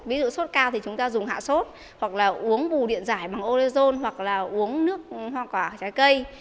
ví dụ sốt cao thì chúng ta dùng hạ sốt hoặc là uống bù điện giải bằng orezone hoặc là uống nước hoa quả trái cây